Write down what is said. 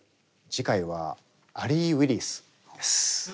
次回はアリー・ウィリスです。